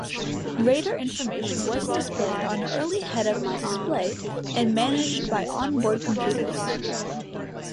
Radar information was displayed on an early head-up display and managed by onboard computers.